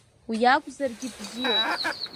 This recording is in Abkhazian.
Уи иакәзаргьы бзиоуп…